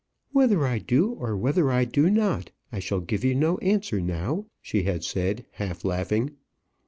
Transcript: "Whether I do, or whether I do not, I shall give you no answer now," she had said, half laughing.